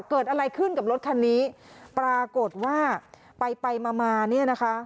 เกิดอะไรขึ้นกับรถคันนี้ปรากฏว่าไปไปมามาเนี่ยนะคะ